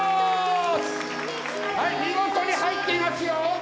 はい見事に入っていますよ！